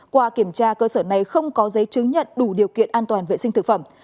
qua kiểm tra cơ sở này không có giấy chứng nhận đủ điều kiện an toàn vệ sinh thực phẩm